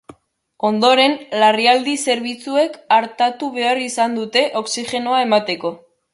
Ondoren, larrialdi zerbitzuek artatu behar izan dute, oxigenoa emateko.